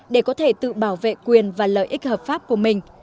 để có thể tự bảo vệ quyền và lợi ích hợp pháp của mình